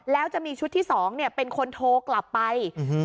แล้วจะมีชุดที่๒เป็นคนโทรกลับไป